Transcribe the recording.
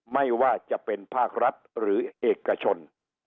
ไม่ว่าจะเป็นภาครัฐหรือเอกชน